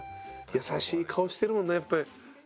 優しい顔してるもんなやっぱ」